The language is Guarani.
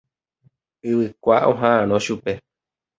Yvykua oha'ãrõ chupe.